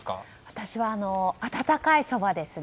私は温かいそばですね。